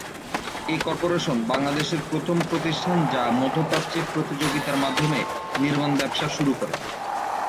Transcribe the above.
এ corporation বাংলাদেশের প্রথম প্রতিষ্ঠান যা মধ্যপ্রাচ্যে প্রতিযোগিতার মাধ্যমে নির্মাণ ব্যবসা শুরু করে।